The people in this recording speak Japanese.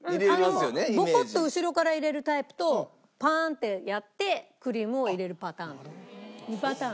ボコッと後ろから入れるタイプとパーンッてやってクリームを入れるパターンと２パターン。